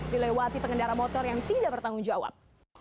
dilewati pengendara motor yang tidak bertanggung jawab